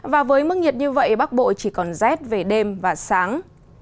và với mức nhiệt như vậy bắc bộ chỉ còn rét về đêm và sáng